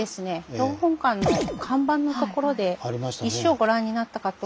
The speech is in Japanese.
標本館の看板のところで石をご覧になったかと。